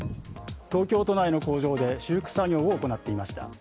東京都内の工場で修復作業を行っていました。